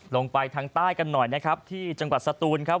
ลงไปทางใต้กันหน่อยนะครับที่จังหวัดสตูนครับ